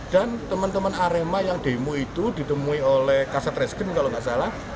dan teman teman arema yang demo itu ditemui oleh kaset resken kalau nggak salah